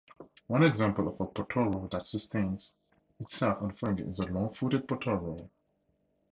One example of a potoroo that sustains itself on fungi is the long-footed potoroo.